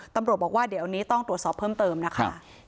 ตำรวจบอกว่าเดี๋ยวนี้ต้องตรวจสอบเพิ่มเติมนะคะ